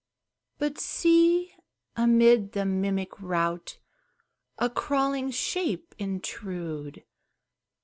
But see, amid the mimic rout A crawling shape intrude!